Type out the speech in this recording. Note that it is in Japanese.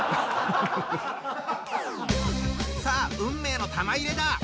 さあ運命の玉入れだ！